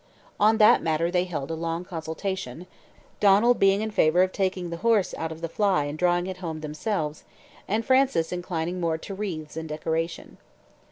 On that matter they held a long consultation, Donald being in favour of taking the horse out of the fly and drawing it home themselves, and Frances inclining more to wreaths and decoration.